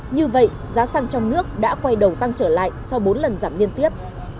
như vậy giá xăng trong nước đã quay đầu tăng trở lại sau bốn lần giảm liên tiếp